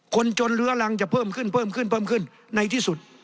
คนจนเรื้อรังจะเพิ่มขึ้นในที่สุด